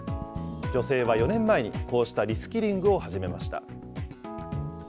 女性は４年前に、こうしたリスキリングを始めました。